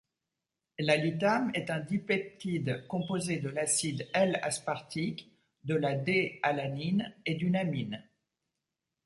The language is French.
L'alitame est un dipeptide composé de l'acide L-aspartique, de la D-alanine et d'une amine.